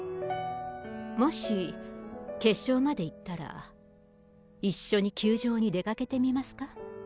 もし決勝まで行ったら一緒に球場まで出かけてみますか？